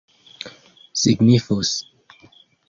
signifus